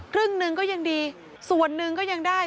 ครึ่งหนึ่งก็ยังดีส่วนหนึ่งก็ยังได้